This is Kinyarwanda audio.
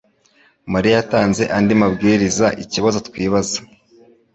mariya yatanze andi mabwirizaikibazo twibaza